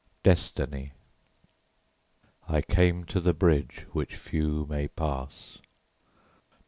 DESTINY I came to the bridge which few may pass.